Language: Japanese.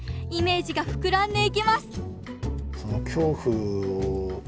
イメージがふくらんでいきます